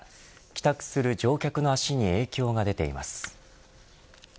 帰宅する乗客の足に影響が出ています。